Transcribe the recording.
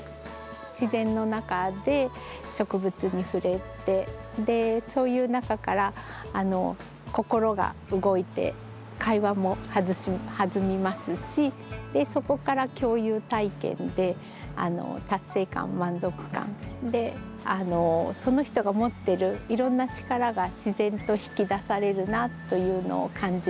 自然の中で植物にふれてでそういう中から心が動いて会話もはずみますしそこから共有体験で達成感満足感でその人が持ってるいろんな力が自然と引き出されるなというのを感じます。